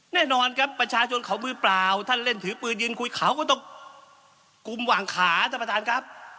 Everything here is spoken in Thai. แน่นอนครับประชาชนเขามือเปล่าท่านเล่นถือปืนยืนคุยเขาก็ต้องกุมหวังขาท่านประธานครับ